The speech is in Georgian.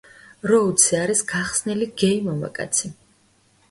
როუდსი არის გახსნილი გეი მამაკაცი.